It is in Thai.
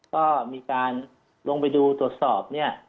ก็มีการลงไปดูตรวจสอบเนี่ย